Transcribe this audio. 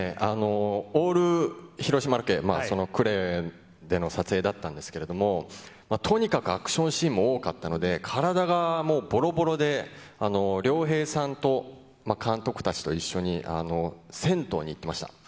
オール広島ロケ、呉での撮影だったんですけれども、とにかくアクションシーンも多かったので、体がもう、ぼろぼろで、亮平さんと監督たちと一緒に、銭湯に行ってました。